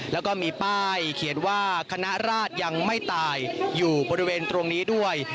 แล้วก็มีป้ายเขียนว่าคณะราชยังไม่ตายอยู่บริเวณตรงนี้ด้วย